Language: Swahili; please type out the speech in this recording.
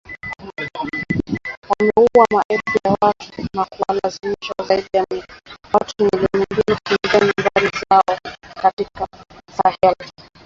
Wameua maelfu ya watu na kuwalazimisha zaidi ya watu milioni mbili kukimbia nyumba zao katika Sahel